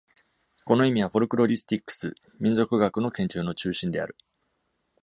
この意味はフォルクロリスティックス、民俗学の研究の中心である。